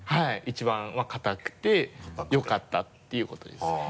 一番硬くてよかったっていうことですね。